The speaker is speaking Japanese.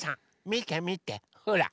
みてみてほら。